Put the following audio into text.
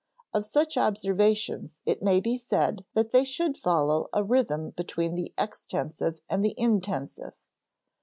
Of such observations it may be said that they should follow a rhythm between the extensive and the intensive.